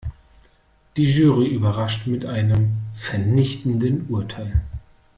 Die Jury überrascht mit einem vernichtenden Urteil.